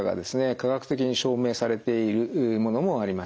科学的に証明されているものもあります。